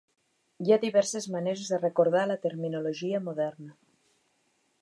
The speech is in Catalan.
Hi ha diverses maneres de recordar la terminologia moderna.